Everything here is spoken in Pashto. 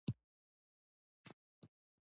وا هلکه ته د کوم ولایت یی